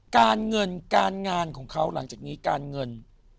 การเงินการงานของเขาหลังจากนี้การเงิน